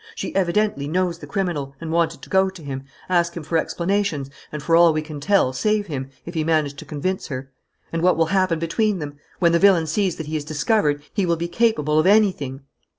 She evidently knows the criminal and wanted to go to him, ask him for explanations and, for all we can tell, save him, if he managed to convince her. And what will happen between them? When the villain sees that he is discovered, he will be capable of anything."